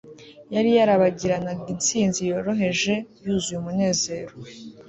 Yari yarabagiranaga intsinzi yoroheje yuzuye umunezero